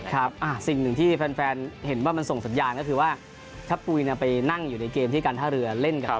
ครับสิ่งหนึ่งที่แฟนเห็นว่ามันส่งสัญญาณก็คือว่าถ้าปุ๋ยไปนั่งอยู่ในเกมที่การท่าเรือเล่นกับ